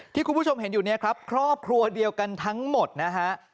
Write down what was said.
คุณผู้ชมเห็นอยู่เนี่ยครับครอบครัวเดียวกันทั้งหมดนะฮะ